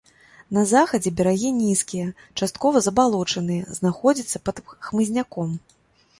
На захадзе берагі нізкія, часткова забалочаныя, знаходзяцца пад хмызняком.